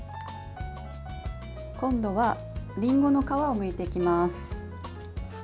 今度は、りんごの皮をむいていきます。